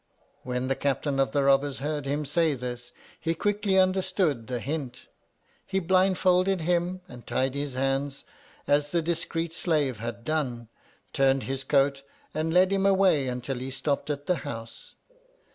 When the Captain of the Bobbers heard him say this, he quickly understood the hint. He blindfolded him, and tied his hands, as the discreet slave had done, turned his coat, and led him away until he stopped at the House.